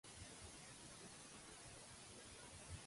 On es realitzarà la sessió d'investidura de Ximo Puig?